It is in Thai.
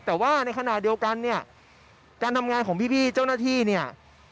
แต่ว่าในขณะเดียวกันเนี่ยการทำงานของพี่เจ้าหน้าที่เนี่ย